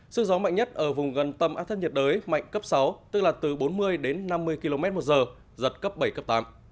sức gió mạnh nhất ở vùng gần tâm áp thấp nhiệt đới mạnh cấp sáu tức là từ bốn mươi đến năm mươi km một giờ giật cấp bảy cấp tám